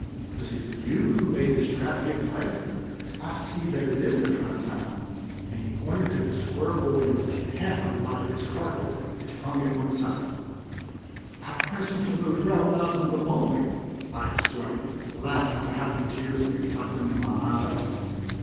"Was it you who made this trap give way? I see that it is a trap now," and he pointed to the square boarding hampered by its carpet which hung at one side. "I pressed one of those round knobs in the molding," I explained, laughing to hide the tears of excitement in my eyes.